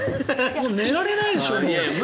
もう寝られないでしょう。